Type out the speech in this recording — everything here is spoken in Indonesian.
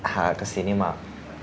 hal kesini mah